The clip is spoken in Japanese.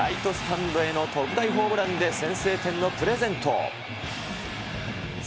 ライトスタンド上段への特大ホームランで先制点のプレゼント。